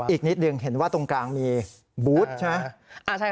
อีกนิดหนึ่งเห็นว่าตรงกลางมีบูธใช่ไหม